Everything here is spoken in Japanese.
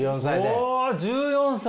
お１４歳！